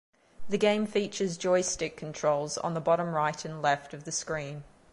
The game features joystick controls on the bottom right and left of the screen.